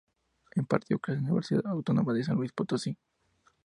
Impartió clases en la Universidad Autónoma de San Luis Potosí.